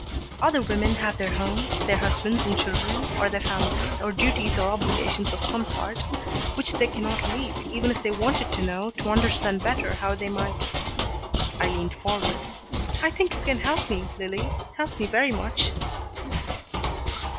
"Other women have their homes, their husbands and children, or their families, or duties or obligations of some sort, which they cannot leave, even if they wanted to know, to understand better how they might " I leaned forward. "I think you can help me, Lillie, help me very much."